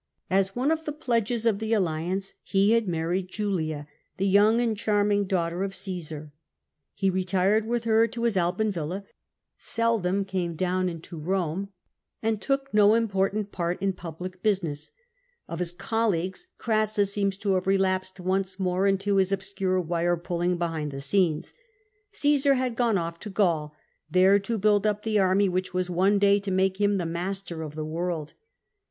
As one of the pledges of the alliance, he had married Julia, the young and charming daughter of Caesar. He retired with her to his Alban villa, seldom came down into Eome, and took no important part in public business. Of his colleagues, Crassus seems to have relapsed once more into his obscure wire pulling behind the scenes. Caesar had gone off to Gaul, there to build up the army which was one day to make him the master of the world.